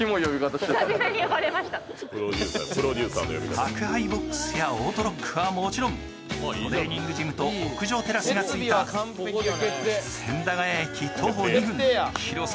宅配ＢＯＸやオートロックはもちろんトレーニングジムと屋上テラスがついた千駄ヶ谷駅徒歩２分広さ